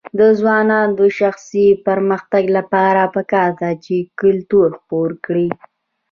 د ځوانانو د شخصي پرمختګ لپاره پکار ده چې کلتور خپور کړي.